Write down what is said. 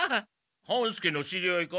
半助の知り合いか？